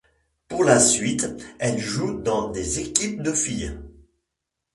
Par la suite elle joue dans des équipes de filles.